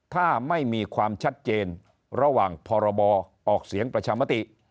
ถ้าไม่มีความชัดเจนระหว่างพรบออกเสียงประชามติ